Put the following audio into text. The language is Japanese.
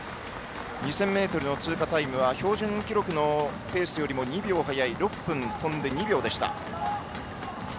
２０００ｍの通過タイムは標準記録のペースよりも２秒早い６分とんで２秒でした。